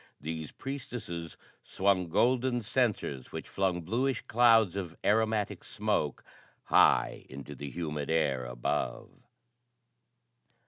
These priestesses swung golden censers which flung bluish clouds of aromatic smoke high into the humid air above.